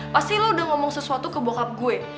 pasti lu udah ngomong sesuatu ke bokap gue